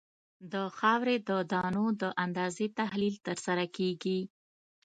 د خاورې د دانو د اندازې تحلیل ترسره کیږي